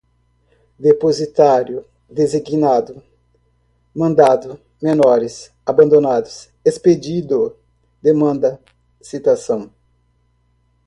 depositário, designado, mandado, menores abandonados, expedido, demanda, citação